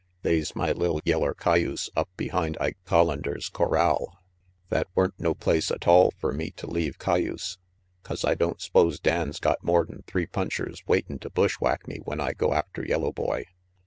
They's my li'l yeller cayuse up behind Ike Collander's corral. That weren't no place atoll fer me to leave cayuse, 'cause I don't s'pose Dan's got more'n three punchers waitin' to bushwhack me when I go after yellow boy.